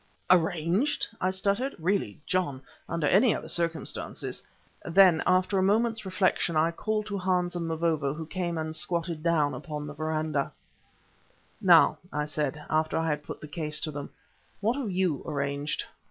"Arranged!" I stuttered. "Really, John, under any other circumstances " Then after a moment's reflection I called to Hans and Mavovo, who came and squatted down upon the verandah. "Now," I said, after I had put the case to them, "what have you arranged?"